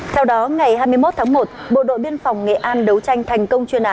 theo đó ngày hai mươi một tháng một bộ đội biên phòng nghệ an đấu tranh thành công